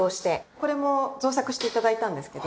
これも造作して頂いたんですけど。